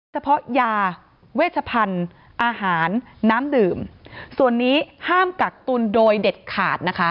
เฉพาะยาเวชพันธุ์อาหารน้ำดื่มส่วนนี้ห้ามกักตุลโดยเด็ดขาดนะคะ